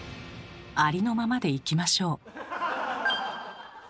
ありのままでいきましょう。